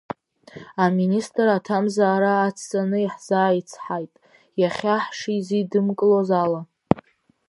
Аминистр аҭамзаара ацҵаны иаҳзааицҳаит, иахьа ҳшизидымкылоз ала.